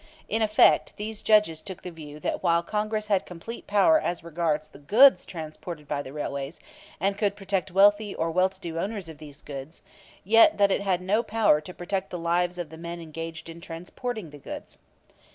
In effect, these judges took the view that while Congress had complete power as regards the goods transported by the railways, and could protect wealthy or well to do owners of these goods, yet that it had no power to protect the lives of the men engaged in transporting the goods.